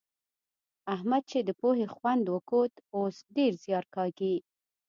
احمد چې د پوهې خوند وکوت؛ اوس ډېر زيار کاږي.